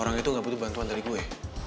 orang itu gak butuh bantuan dari gue